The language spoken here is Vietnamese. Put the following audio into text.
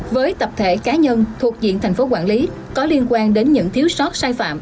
với tập thể cá nhân thuộc diện tp hcm có liên quan đến những thiếu sót sai phạm